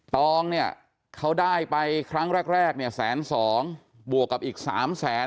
ต้องเขาได้ไปครั้งแรกแสน๒บวกกับอีก๓แสน